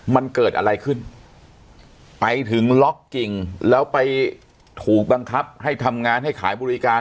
มันเกิดอะไรขึ้นไปถึงล็อกกิ่งแล้วไปถูกบังคับให้ทำงานให้ขายบริการ